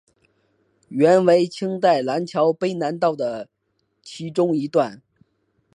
原为清代琅峤卑南道的其中一段。